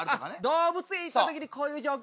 動物園に行った時こういう状況。